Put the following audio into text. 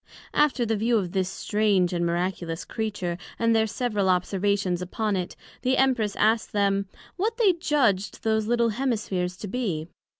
After the view of this strange and miraculous Creature, and their several observations upon it, the Empress asked them, What they judged those little Hemispheres might be?